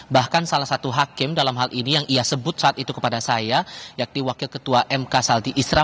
bahkan salah satu hakim dalam hal ini yang ia sebut saat itu kepada saya yakni wakil ketua mk saldi isra